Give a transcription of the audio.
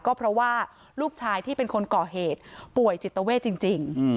ก็เพราะว่าลูกชายที่เป็นคนก่อเหตุป่วยจิตเวทจริง